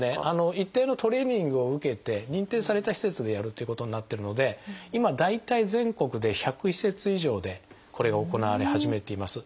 一定のトレーニングを受けて認定された施設でやるということになってるので今大体全国で１００施設以上でこれが行われ始めています。